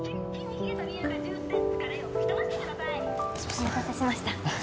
お待たせしました。